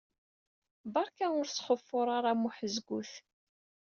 Beṛka ur sxufur ara am uḥeẓgut.